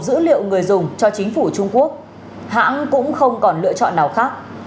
dữ liệu người dùng cho chính phủ trung quốc hãng cũng không còn lựa chọn nào khác